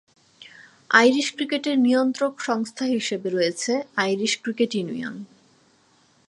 Irish ক্রিকেটের নিয়ন্ত্রক সংস্থা হিসেবে রয়েছে আইরিশ ক্রিকেট ইউনিয়ন।